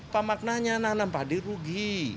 pak maknanya nanam padi rugi